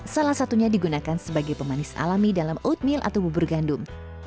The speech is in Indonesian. salah satunya digunakan sebagai pemanis alami dalam oatmeal atau bubur gandum